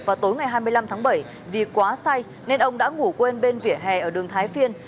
vào tối ngày hai mươi năm tháng bảy vì quá say nên ông đã ngủ quên bên vỉa hè ở đường thái phiên